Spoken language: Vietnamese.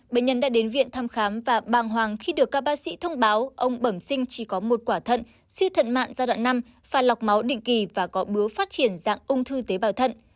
bệnh nhân đã đến viện thăm khám và bàng hoàng khi được các bác sĩ thông báo ông bẩm sinh chỉ có một quả thận suy thận mạng giai đoạn năm pha lọc máu định kỳ và có bứa phát triển dạng ung thư tế bào thận